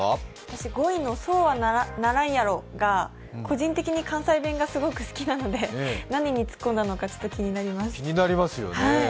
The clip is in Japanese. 私、５位の「そうはならんやろ」が個人的に関西弁がすごく好きなので何にツッコンだのか気になります。